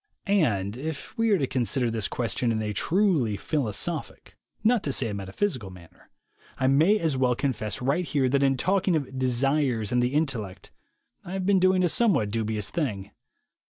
And, if we are to consider this question in a truly philosophic, not to say a metaphysical manner, I may as well confess right here that in talking of "desires" and "the intellect" I have been doing a somewhat dubious thing.